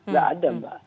gak ada mbak